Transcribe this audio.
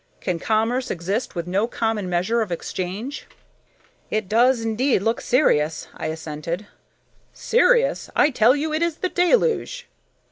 Can commerce exist with no common measure of exchange?" "It does indeed look serious," I assented. "Serious! I tell you, it is the deluge!"